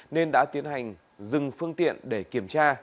nên đã tiến hành dừng phương tiện để kiểm tra